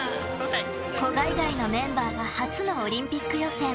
古賀以外のメンバーが初のオリンピック予選。